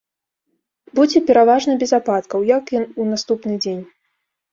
Будзе пераважна без ападкаў, як і ў наступны дзень.